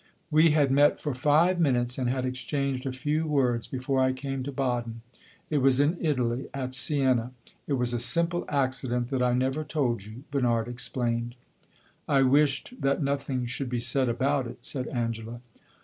"We had met for five minutes, and had exchanged a few words before I came to Baden. It was in Italy at Siena. It was a simple accident that I never told you," Bernard explained. "I wished that nothing should be said about it," said Angela.